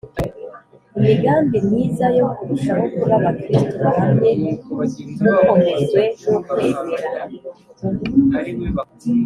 imigambi myiza yo kurushaho kuba abakristu bahamye mukomejwe n’ukwemera